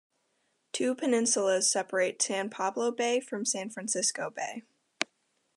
Two peninsulas separate San Pablo Bay from San Francisco Bay.